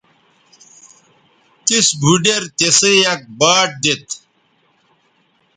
تِس بُھوڈیر تِسئ یک باٹ دیتھ